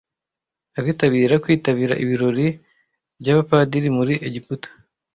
Abitabira kwitabira ibirori byabapadiri muri Egiputa